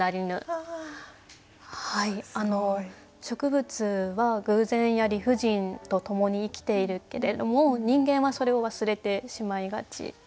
植物は偶然や理不尽とともに生きているけれども人間はそれを忘れてしまいがち。